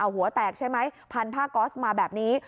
หัวแตกใช่ไหมพันผ้าก๊อสมาแบบนี้